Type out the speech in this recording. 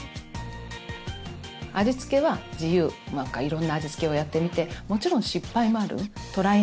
味つけは自由いろんな味つけをやってみてもちろん失敗もあるトライ